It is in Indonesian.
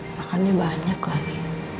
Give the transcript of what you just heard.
makannya banyak lagi